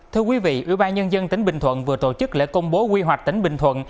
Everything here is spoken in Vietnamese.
thưa quý vị ủy ban nhân dân tỉnh bình thuận vừa tổ chức lễ công bố quy hoạch tỉnh bình thuận